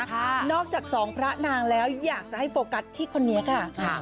นอกจากสองพระนางแล้วอยากจะให้โฟกัสที่คนนี้ค่ะ